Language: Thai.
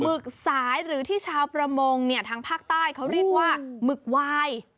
หึกสายหรือที่ชาวประมงเนี่ยทางภาคใต้เขาเรียกว่าหมึกวาย